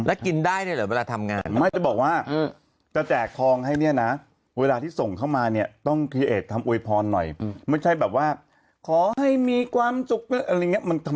ไอ้บ้าทำไมกินได้ด้วยหรอเวลาทำงานกินได้ด้วยหรอ